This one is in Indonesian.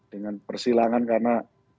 dengan persilangan karena